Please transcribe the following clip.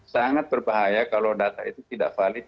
sangat berbahaya kalau data itu tidak valid